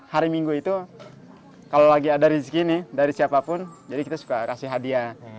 hari minggu itu kalau lagi ada rezeki nih dari siapapun jadi kita suka kasih hadiah